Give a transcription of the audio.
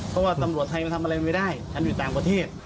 เพราะว่าตำรวจไทยมันทำอะไรไม่ได้ฉันอยู่ต่างประเทศ